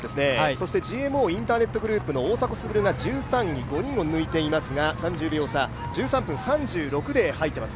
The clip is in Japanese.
ＧＭＯインターネットグループの大迫選手が５人を抜いていますが、１３分３６で入っていますね。